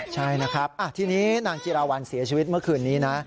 ใช่นะครับทีนี้นางจิราวัลเสียชีวิตเมื่อคืนนี้นะ